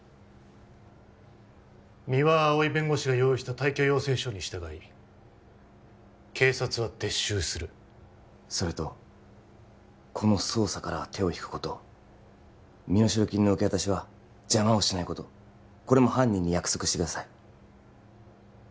三輪碧弁護士が用意した退去要請書に従い警察は撤収するそれとこの捜査からは手を引くこと身代金の受け渡しは邪魔をしないことこれも犯人に約束してください